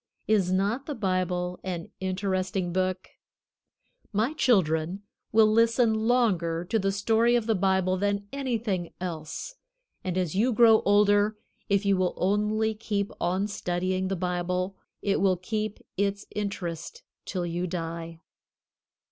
Is not the Bible an interesting Book? My children will listen longer to the story of the Bible than anything else. And as you grow older, if you will only keep on studying the Bible, it will keep its interest till you die.